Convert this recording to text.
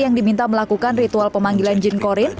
yang diminta melakukan ritual pemanggilan jin korin